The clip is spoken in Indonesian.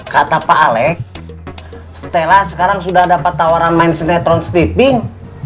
kata pak alec stella sekarang sudah dapat tawaran main sinetron steeping